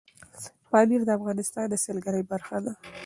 پامیر د افغانستان د سیلګرۍ برخه ده.